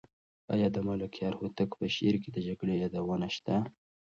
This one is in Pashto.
آیا د ملکیار هوتک په شعر کې د جګړې یادونه شته؟